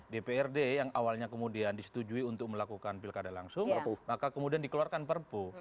dprd yang awalnya kemudian disetujui untuk melakukan pilkada langsung maka kemudian dikeluarkan perpu